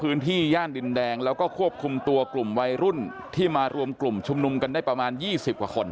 ย่านดินแดงแล้วก็ควบคุมตัวกลุ่มวัยรุ่นที่มารวมกลุ่มชุมนุมกันได้ประมาณ๒๐กว่าคน